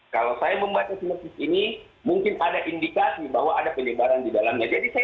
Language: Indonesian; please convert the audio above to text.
kalau saya membaca sinopis ini mungkin ada indikasi bahwa ada penyebaran di dalamnya